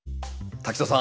滝藤さん